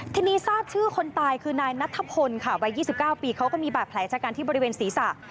ทีนี้ทราบชื่อคนตายคือนายนัทพลค่ะวัย๒๙ปีเขาก็มีบาดแผลชะกันที่บริเวณศีรษะ